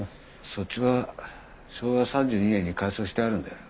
そっちは昭和３２年に改装してあるんだよ。